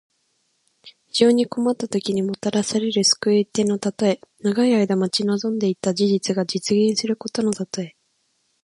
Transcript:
非常に困ったときに、もたらされる救いの手のたとえ。長い間待ち望んでいた物事が実現することのたとえ。